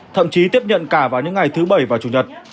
thậm chí tiếp nhận cả vào những ngày thứ bảy và chủ nhật